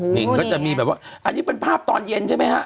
นิงก็จะมีแบบว่าอันนี้เป็นภาพตอนเย็นใช่ไหมฮะ